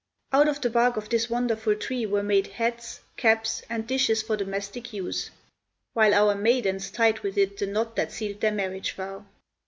Out of the bark of this wonderful tree were made hats, caps, and dishes for domestic use, "while our maidens tied with it the knot that sealed their marriage vow."